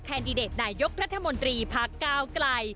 ดิเดตนายกรัฐมนตรีพักก้าวไกล